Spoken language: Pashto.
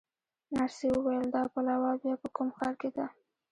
نرسې وویل: دا پلاوا بیا په کوم ښار کې ده؟